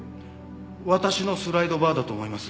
私のスライドバーだと思います。